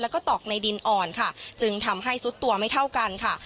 แล้วก็ตอกในดินอ่อนค่ะจึงทำให้ซุดตัวไม่เท่ากันค่ะ